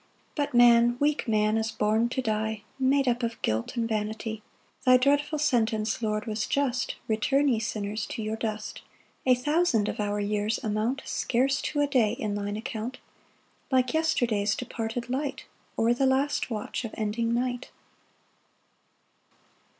3 But man, weak man, is born to die, Made up of guilt and vanity; Thy dreadful sentence, Lord, was just, "Return, ye sinners, to your dust." 4 [A thousand of our years amount Scarce to a day in thine account; Like yesterday's departed light, Or the last watch of ending night.